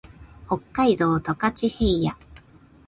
北海道十勝平野